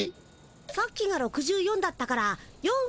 さっきが６４だったから４ふえたね。